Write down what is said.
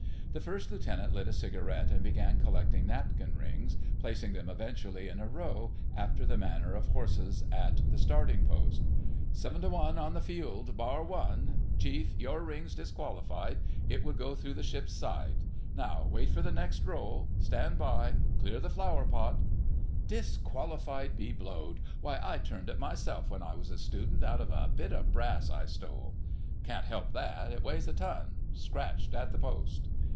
The First Lieutenant lit a cigarette and began collecting napkin rings, placing them eventually in a row, after the manner of horses at the starting post. "Seven to one on the field, bar one—Chief, your ring's disqualified. It would go through the ship's side. Now, wait for the next roll—stand by! Clear that flower pot——" "Disqualified be blowed! Why, I turned it myself when I was a student, out of a bit of brass I stole——" "Can't help that; it weighs a ton—scratched at the post!"